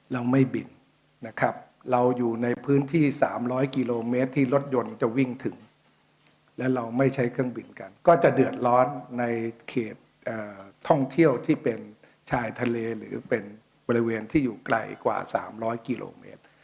เราไม่บินนะครับเราอยู่ในพื้นที่๓๐๐กิโลเมตรที่รถยนต์จะวิ่งถึงและเราไม่ใช้เครื่องบินกันก็จะเดือดร้อนในเขตท่องเที่ยวที่เป็นชายทะเลหรือเป็นบริเวณที่อยู่ไกลกว่า๓๐๐กิโลเมตร